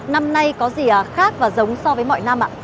năm nay có gì khác và giống so với mọi năm